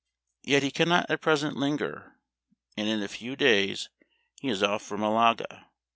Yet he cannot at present linger ; and in a few days he is off for Malaga.